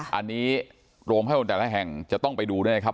อันนี้รวมให้คนแต่ละแห่งจะต้องไปดูด้วยนะครับ